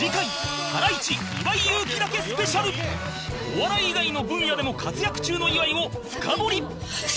お笑い以外の分野でも活躍中の岩井を深掘り